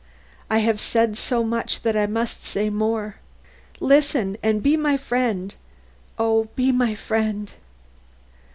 I have said so much that I must say more. Listen and be my friend; oh, be my friend!